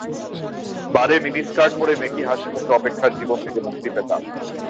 বারে মিনিস্কার্ট পরে মেকি হাসিমুখে অপেক্ষার জীবন থেকে মুক্তি পেতাম।